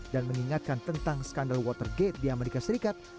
dan mengingatkan tentang skandal watergate di amerika serikat